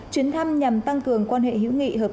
chuyến thăm nhằm tăng cường quan hệ hữu nghị